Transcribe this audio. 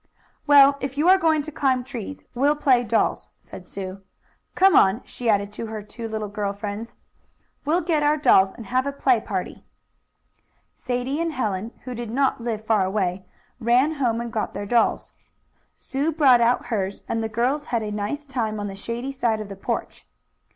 "Well, if you are going to climb trees, we'll play dolls," said Sue. "Come on," she added to her two little girl friends. "We'll get our dolls, and have a play party." Sadie and Helen, who did not live far away, ran home and got their dolls. Sue brought out hers, and the girls had a nice time on the shady side of the porch.